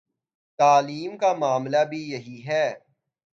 تعلیم کا معاملہ بھی یہی ہے۔